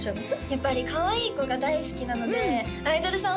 やっぱりかわいい子が大好きなのでアイドルさん